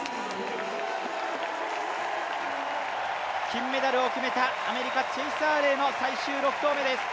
金メダルを決めたアメリカ、チェイス・アーレイの最終６投目です。